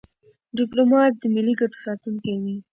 ډيپلومات د ملي ګټو ساتونکی وي.